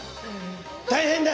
大変だ！